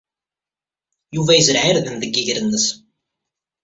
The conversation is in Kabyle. Yuba yezreɛ irden deg yiger-nnes.